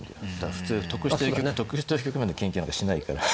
普通得してる局面で研究なんかしないから。